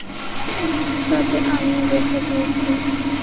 তাতে আমিও ব্যথা পেয়েছি।